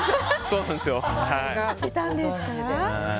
そうなんですよ。